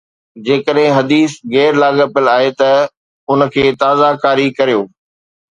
جيڪڏهن حديث غير لاڳاپيل آهي ته ان کي تازه ڪاري ڪريو